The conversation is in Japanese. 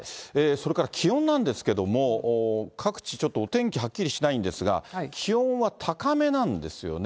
それから気温なんですけれども、各地、ちょっとお天気はっきりしないんですが、気温は高めなんですよね。